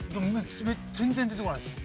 全然出てこないです。